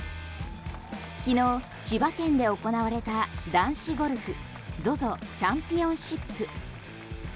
昨日、千葉県で行われた男子ゴルフＺＯＺＯチャンピオンシップ。